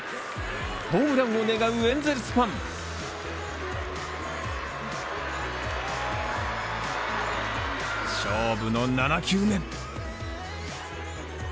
ホームランも願うエンゼルスファン勝負の７球目。